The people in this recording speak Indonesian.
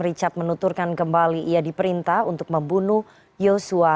richard menuturkan kembali ia diperintah untuk membunuh yosua